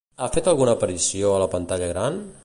Ha fet alguna aparició a la pantalla gran?